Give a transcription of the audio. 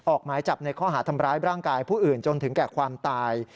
ออกหมายจับในข้อหาทำร้ายร่างกายผู้อื่นจนถึงแก่ความตาย